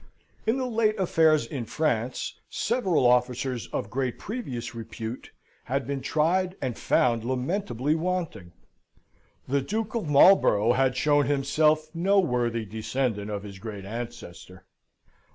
In the late affairs in France, several officers of great previous repute had been tried and found lamentably wanting. The Duke of Marlborough had shown himself no worthy descendant of his great ancestor.